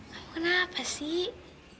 kamu kenapa sih